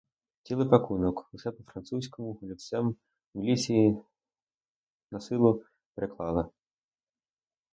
Цілий пакунок, усе по-французькому, олівцем, у міліції насилу переклали.